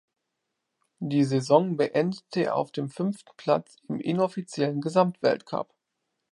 Die Saison beendete er auf dem fünften Platz im inoffiziellen Gesamtweltcup.